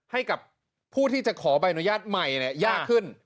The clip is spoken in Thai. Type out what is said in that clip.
ให้กับผู้ที่จะขอใบอนุญาตใหม่ยากขึ้น